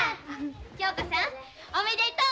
恭子さんおめでとう！